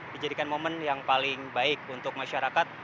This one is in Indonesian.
dijadikan momen yang paling baik untuk masyarakat